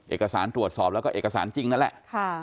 เอกสารตรวจสอบแล้วก็เอกสารจริงนั่นแหละ